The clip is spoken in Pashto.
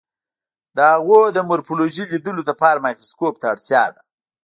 د هغوی د مارفولوژي لیدلو لپاره مایکروسکوپ ته اړتیا ده.